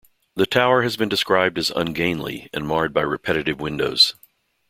The tower has been described as "ungainly", and marred by repetitive windows.